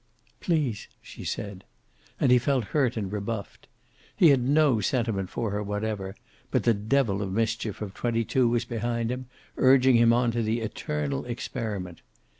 "Please," she said. And he felt hurt and rebuffed. He had no sentiment for her whatever, but the devil of mischief of twenty two was behind him, urging him on to the eternal experiment.